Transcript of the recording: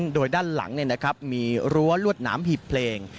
โดยด้านหลังมีรั้วลวดหนามหีบเพลง